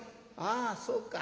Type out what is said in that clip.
「ああそうか。